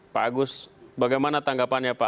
pak agus bagaimana tanggapannya pak